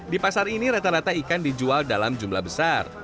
di pasar ini rata rata ikan dijual dalam jumlah besar